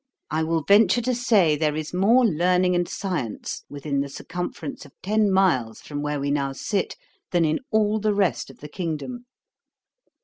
I will venture to say, there is more learning and science within the circumference of ten miles from where we now sit, than in all the rest of the kingdom.'